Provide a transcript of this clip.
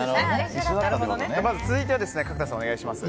続いて、角田さんお願いします。